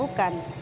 bukan ya kan